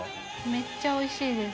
めっちゃおいしいです。